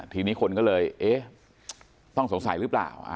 ทีนี้คนก็เลยเอ๊ะต้องสงสัยหรือเปล่า